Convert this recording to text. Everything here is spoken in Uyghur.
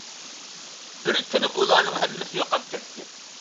بىر كۈنى ئۇلارنىڭ ھەممىسى يوقاپ كەتتى.